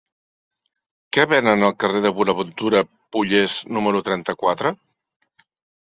Què venen al carrer de Bonaventura Pollés número trenta-quatre?